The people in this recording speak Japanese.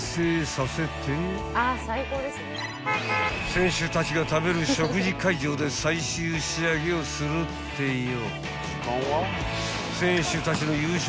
［選手たちが食べる食事会場で最終仕上げをするってよ］